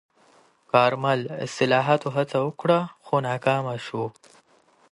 کارمل د اصلاحاتو هڅه وکړه، خو ناکامه شوه.